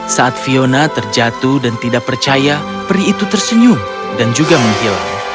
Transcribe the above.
saat fiona terjatuh dan tidak percaya pri itu tersenyum dan juga menghilang